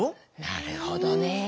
なるほどね。